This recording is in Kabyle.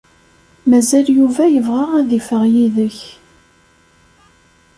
Mazal Yuba yebɣa ad iffeɣ yid-k.